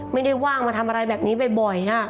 ไม่ได้ว่างมาทำอะไรแบบนี้บ่อยค่ะ